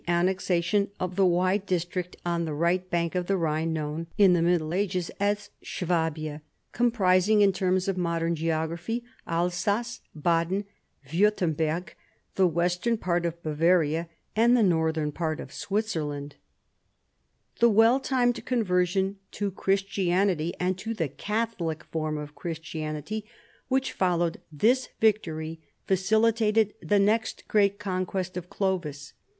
annexation of the wide district on the right bank of the Rhine known in the Middle Ages as Swabia, com prising in terms of modern geography Alsace, Baden, Wiirtemberg, the western part of Bavaria, and the northern part of Switzerland, The well timed con version to Christianit}", and to the Catholic form of Christianity which followed this victor}^, facilitated the next great conquest of Clovis.